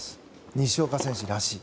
西岡選手らしい。